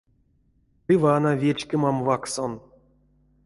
Ды вана вечкемам вакссон.